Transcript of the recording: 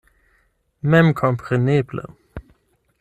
Memkompreneble.